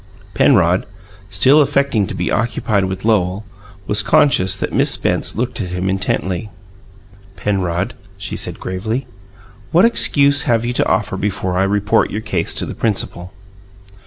Penrod, still affecting to be occupied with Lowell, was conscious that Miss Spence looked at him intently. "Penrod," she said gravely, "what excuse have you to offer before I report your case to the principal?"